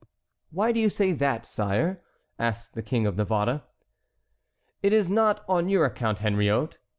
"Why do you say that, sire?" asked the King of Navarre. "It is not on your account, Henriot.